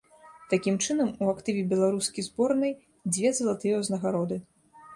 Такім чынам, у актыве беларускі зборнай дзве залатыя ўзнагароды.